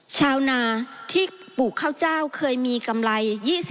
ชาวนาที่ปลูกข้าวเจ้าเคยมีกำไร๒๐